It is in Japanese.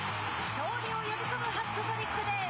勝利を呼び込むハットトリックです。